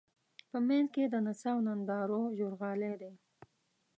په منځ کې د نڅا او نندارو ژورغالی دی.